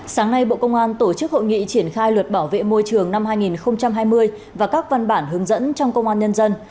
sáng nay bộ công an tổ chức hội nghị triển khai luật bảo vệ môi trường năm hai nghìn hai mươi và các văn bản hướng dẫn trong công an nhân dân